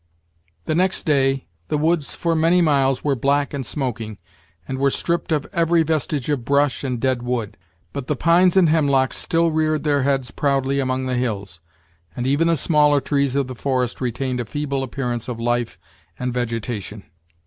The next day the woods for 'many miles were black and smoking, and were stripped of every vestige of brush and dead wood; but the pines and hemlocks still reared their heads proudly among the hills, and even the smaller trees of the forest retained a feeble appearance of life and vegetation.